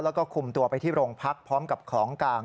แล้วก็คุมตัวไปที่โรงพักพร้อมกับของกลาง